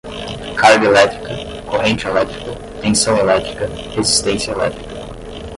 carga elétrica, corrente elétrica, tensão elétrica, resistência elétrica